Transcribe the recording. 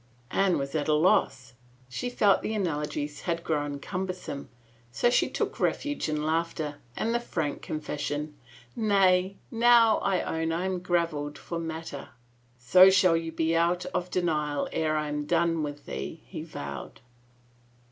Anne was at a loss. She felt the analogies were grown cumbersome, so she took refuge in laughter and the frank confession, " Nay, now, I own I am graveled for mat ter !"" So shall you be out of denial e'er I am done with thee I " he vowed.